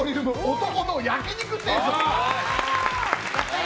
男の焼き肉定食。